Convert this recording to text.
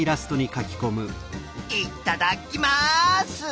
いっただっきます！